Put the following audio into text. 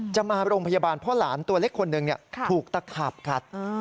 จะมาโรงพยาบาลเพราะหลานตัวเล็กคนหนึ่งถูกตะขาบกัด